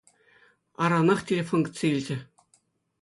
Аранах телефон кӗтсе илчӗ.